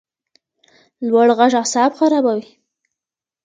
لوړ غږ اعصاب خرابوي